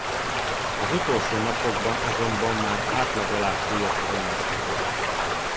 Az utolsó napokban azonban már átlag alá süllyedt a hőmérséklet.